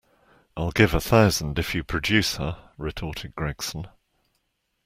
I'll give a thousand if you produce her, retorted Gregson.